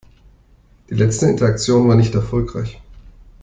Die letzte Interaktion war nicht erfolgreich.